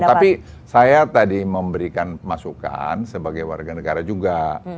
tapi saya tadi memberikan masukan sebagai warga negara juga